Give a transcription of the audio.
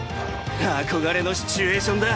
憧れのシチュエーションだ。